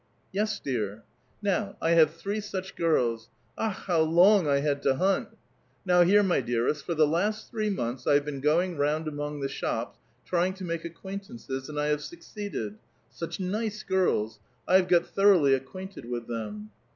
" Yes, dear." *' Now, I have three such girls. Akh! how long I had to hunt ! Now here, my dearest, for the last tliree months I have been going round among the shops trying to make acrquaintances, and I have succeeded. Such nice girls ! I have got thoroughly acquainted with them."